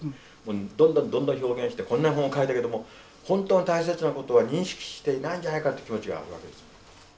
どんどんどんどん表現してこんなに本を書いたけども本当に大切なことは認識していないんじゃないかという気持ちがあるわけです。